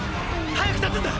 早く立つんだ！！早く！！